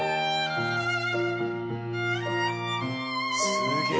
すげえ！